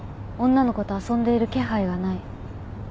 女の子と遊んでいる気配がない。